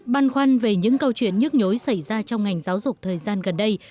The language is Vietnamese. băn khoăn về những câu chuyện nhức nhối xảy ra trong ngành giáo dục thời gian gần đây